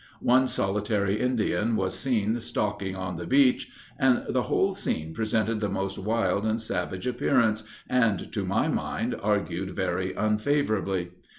One solitary Indian was seen stalking on the beach, and the whole scene presented the most wild and savage appearance, and, to my mind, argued very unfavorably.